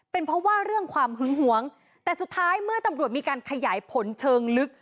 เป็นเพราะว่าเรื่องความหึงหวงแต่สุดท้ายเมื่อตำรวจมีการขยายผลเชิงลึก